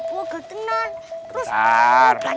jangan lupa moron